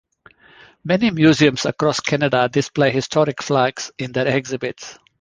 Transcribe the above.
Many museums across Canada display historic flags in their exhibits.